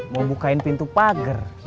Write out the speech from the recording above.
mau bukain pintu pager